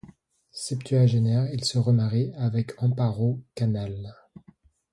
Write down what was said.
Septuagénaire, il se remarie avec Amparo Canal.